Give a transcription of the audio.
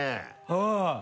うん。